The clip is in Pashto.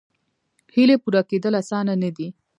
هیلې پوره کېدل اسانه نه دي.